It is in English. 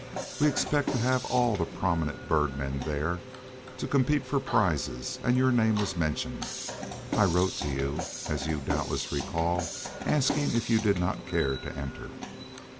We expect to have all the prominent 'bird men' there, to compete for prizes, and your name was mentioned. I wrote to you, as you doubtless recall, asking if you did not care to enter."